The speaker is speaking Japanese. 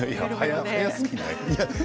早すぎない？